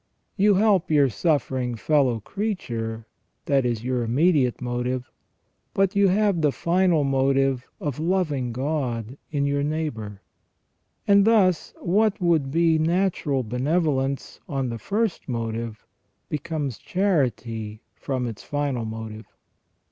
You help your suffering fellow creature, this is your immediate motive, but you have the final motive of loving God in your neighbour ; and thus what would be natural benevolence on the first motive becomes charity from its final motive.